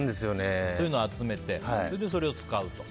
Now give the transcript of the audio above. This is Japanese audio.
そういうのを集めてそれを使うと。